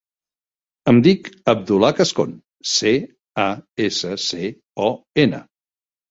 Em dic Abdullah Cascon: ce, a, essa, ce, o, ena.